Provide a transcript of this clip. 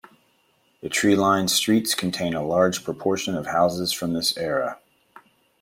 The tree-lined streets contain a large proportion of houses from this era.